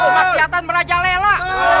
maksiatan meraja lela